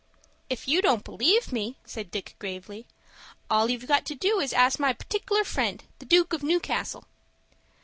"If you don't believe me," said Dick, gravely, "all you've got to do is to ask my partic'lar friend, the Duke of Newcastle."